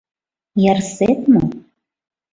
Ярсет мо?